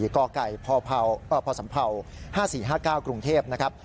กไก่พศ๕๔๕๙กรุงเทพนะครับ